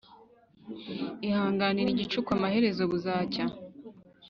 Ihanganire igicuku amaherezo buzacya